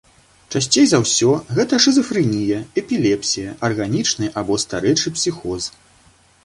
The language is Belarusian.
Часцей за ўсё гэта шызафрэнія, эпілепсія, арганічны або старэчы псіхоз.